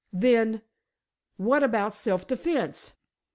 Then—what about self defence?"